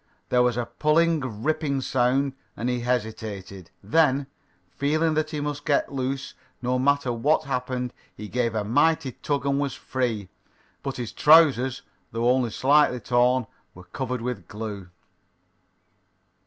There was a pulling, ripping sound, and he hesitated. Then, feeling that he must get loose no matter what happened, he gave a mighty tug and was free. But his trousers, though only slightly torn, were covered with glue.